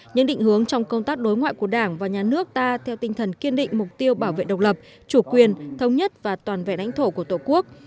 những định hướng trong công tác đối ngoại của đảng và nhà nước ta theo tinh thần kiên định mục tiêu bảo vệ độc lập chủ quyền thống nhất và toàn vẹn lãnh thổ của tổ quốc